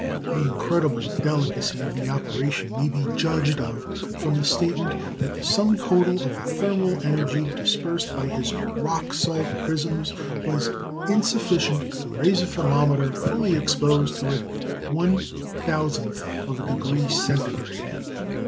The incredible delicacy of the operation may be judged of from the statement that the sum total of the thermal energy dispersed by his rock salt prisms was insufficient to raise a thermometer fully exposed to it one thousandth of a degree Centigrade!